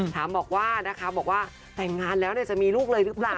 ฐามบอกว่าแต่งงานแล้วจะมีลูกเลยหรือเปล่า